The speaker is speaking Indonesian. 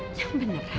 ya bener aja